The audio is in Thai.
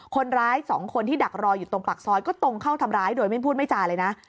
คนร้าย๒คนที่ดักรออยู่ตรงปากซอยก็ตรงเข้าทำร้ายโดยไม่พูดไม่จาเลยนะ